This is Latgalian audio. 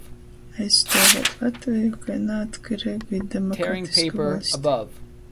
Aizstuovēt Latveju kai naatkareigu i demokratisku vaļsti,